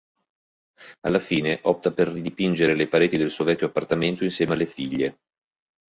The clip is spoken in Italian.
Alla fine, opta per ridipingere le pareti del suo vecchio appartamento insieme alle figlie.